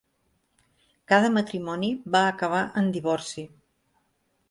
Cada matrimoni va acabar en divorci.